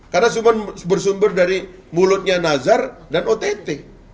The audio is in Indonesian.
karena cuma bersumber dari mulutnya nazar dan ott